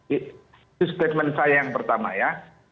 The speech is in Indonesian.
itu statement saya yang pertama ya